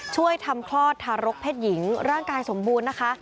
ช่วยทำคลอดทารกเพศหญิงร่างกายสมบูรณ์นะคะ